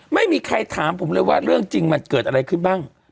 ไม่มีใครถามผมเลยว่าเรื่องจริงมันเกิดอะไรขึ้นบ้าง